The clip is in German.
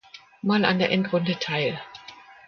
Mal an der Endrunde teil.